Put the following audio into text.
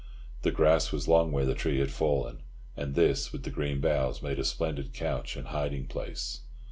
The grass was long where the tree had fallen, and this, with the green boughs, made a splendid couch and hiding place.